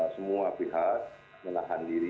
semua pihak menahan diri